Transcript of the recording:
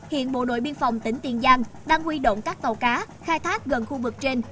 hiện bộ đội biên phòng tỉnh tiền giang đang huy động các tàu cá khai thác gần khu vực trên